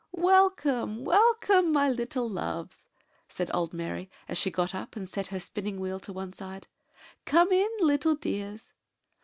"Welcome, welcome, my little loves," said old Mary, as she got up and set her spinning wheel on one side. "Come in, little dears."